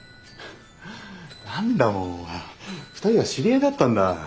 何だもう２人は知り合いだったんだ。